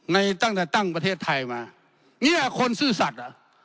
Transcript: ตั้งแต่ตั้งประเทศไทยมาเนี่ยคนซื่อสัตว์อ่ะ